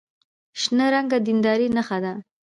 شنه رنګ د دیندارۍ نښه ده.